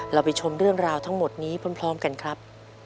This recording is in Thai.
เราไปชมเรื่องราวทั้งหมดนี้พร้อมกันครับ